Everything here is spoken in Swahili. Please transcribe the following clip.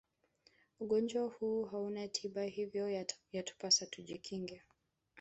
ugonjwa huu hauna tiba hivyo yatupasa tujikinge